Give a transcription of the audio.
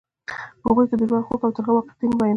په هغوی کې یې د ژوند خوږ او ترخه واقعیتونه بیان کړي.